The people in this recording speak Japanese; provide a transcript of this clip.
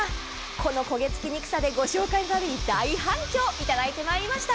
この焦げ付きにくさで御紹介のたびに大反響をいただいてきました。